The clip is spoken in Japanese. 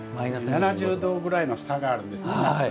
７０度ぐらいの差があるんですね。